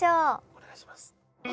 お願いします。